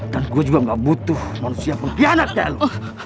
dan gue juga gak butuh manusia pengkhianat kayak lo